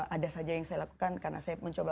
ada saja yang saya lakukan karena saya mencoba